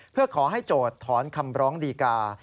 เพื่อขอให้โจทย์ถอนคำร้องดีกา